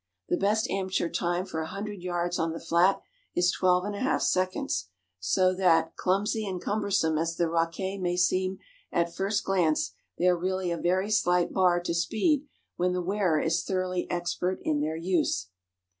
The best amateur time for a hundred yards on the flat is twelve and a half seconds, so that, clumsy and cumbersome as the raquets may seem at first glance, they are really a very slight bar to speed when the wearer is thoroughly expert in their use.